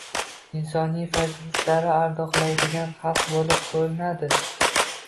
Insoniy fazilatlarni ardoqlaydigan xalq boʻlib koʻrinadi.